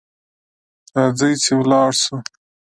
راځه چي ولاړ سو .